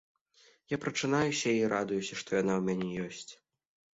Я прачынаюся і радуюся, што яна ў мяне ёсць.